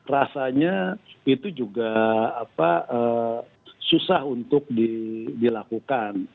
rasanya itu juga susah untuk dilakukan